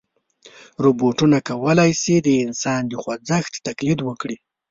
روبوټونه کولی شي د انسان د خوځښت تقلید وکړي.